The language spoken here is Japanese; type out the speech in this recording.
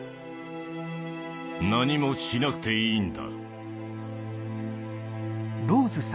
何もしなくていいんだ。